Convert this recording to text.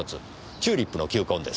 チューリップの球根です。